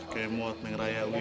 kayak muat mengerayai